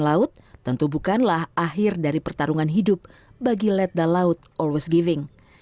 dan laut tentu bukanlah akhir dari pertarungan hidup bagi letda laut always giving